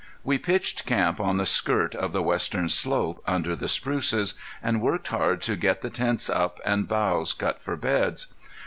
We pitched camp on the skirt of the western slope, under the spruces, and worked hard to get the tents up and boughs cut for beds.